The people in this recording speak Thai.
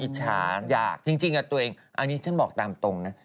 ฉายากจริงกับตัวเองอันนี้ฉันบอกตามตรงนะ